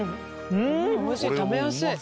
おいしい食べやすい。